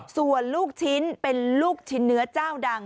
ส่วนลูกชิ้นเป็นลูกชิ้นเนื้อเจ้าดัง